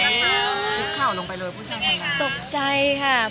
คลิปเข้าลงไปเลยพูดช่าง่ายค่ะ